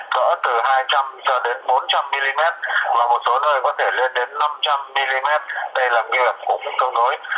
gỡ từ hai trăm linh giờ đến bốn trăm linh mm và một số nơi có thể lên đến năm trăm linh mm đây là nghiệp cũng tương đối